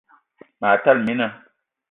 Ma tala mina